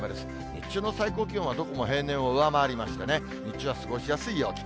日中の最高気温は、どこも平年を上回りましてね、日中は過ごしやすい陽気。